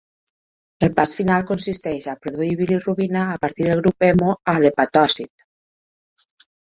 El pas final consisteix a produir bilirubina a partir del grup hemo a l'hepatòcit.